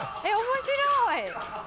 面白い！